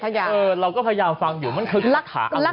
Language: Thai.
คุณโตจริงคุณฟังละผมก็พยายามฟังอยู่มันคือโฆษฐาอัมไร